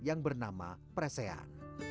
yang bernama presean